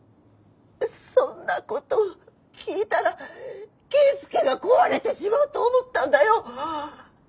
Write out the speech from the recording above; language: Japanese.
そんな事を聞いたら圭介が壊れてしまうと思ったんだよ！